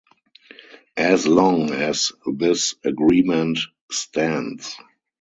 As long as this agreement stands.